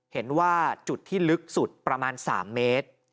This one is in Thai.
เห็นว่าจุดที่ลึกสุดประมาณ๓เมตร